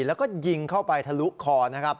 แล้วก็ยิงเข้าไปทะลุคอนะครับ